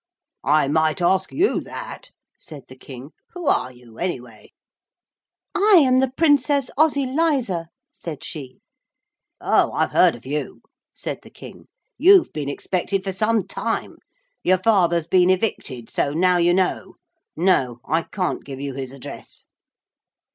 'I might ask you that,' said the King. 'Who are you, anyway?' 'I am the Princess Ozyliza,' said she. 'Oh, I've heard of you,' said the King. 'You've been expected for some time. Your father's been evicted, so now you know. No, I can't give you his address.'